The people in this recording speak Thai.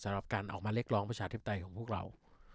สำหรับการออกมาเรียกร้องประชาธิปไตยของพวกเรา